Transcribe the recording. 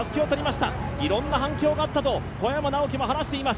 いろんな反響があったと、小山直城も話しています。